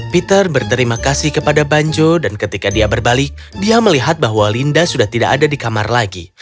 peter berterima kasih kepada banjo dan ketika dia berbalik dia melihat bahwa linda sudah tidak ada di kamar lagi